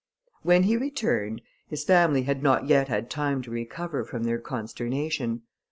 When he returned, his family had not yet had time to recover from their consternation.